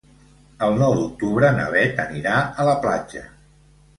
El nou d'octubre na Beth anirà a la platja.